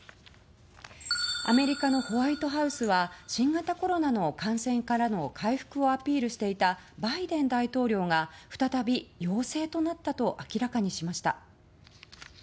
アメリカのホワイトハウスは新型コロナの感染からの回復をアピールしていたバイデン大統領が再び陽性となったと明らかにしました。